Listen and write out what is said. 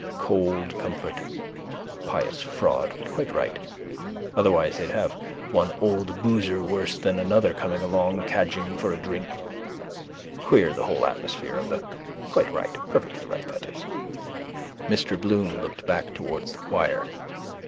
Cold comfort. Pious fraud but quite right: otherwise they'd have one old booser worse than another coming along, cadging for a drink. Queer the whole atmosphere of the. Quite right. Perfectly right that is. Mr Bloom looked back towards the choir.